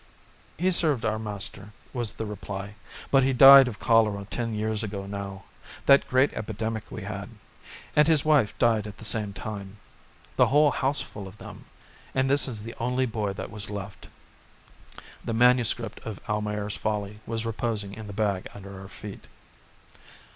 "He served our master," was the reply. "But he died of cholera ten years ago now that great epidemic we had. And his wife died at the same time the whole houseful of them, and this is the only boy that was left." The MS. of "Almayer's Folly" was reposing in the bag under our feet.